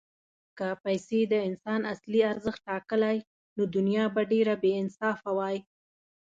که پیسې د انسان اصلي ارزښت ټاکلی، نو دنیا به ډېره بېانصافه وای.